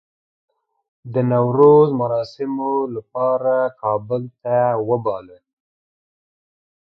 د نوروز مراسمو لپاره کابل ته وباله.